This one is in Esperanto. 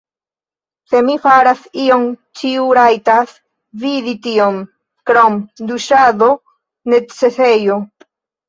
Se mi faras ion ĉiu rajtas vidi tion krom duŝado, necesejo